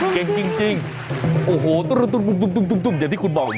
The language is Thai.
อ้าวจริงจริงโอ้โหตุ๊บอย่างที่คุณบอก